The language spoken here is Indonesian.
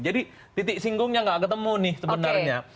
jadi titik singgungnya tidak ketemu sebenarnya